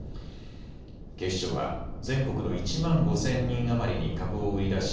警視庁は全国の１万５０００人余りに株を売り出し